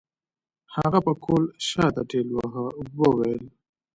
هغه پکول شاته ټېلوهه وويل.